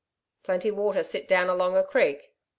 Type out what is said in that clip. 'Plenty water sit down along a creek?'